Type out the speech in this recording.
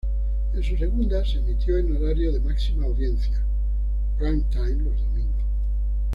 En su segunda, se emitió en horario de máxima audiencia "prime time" los domingos.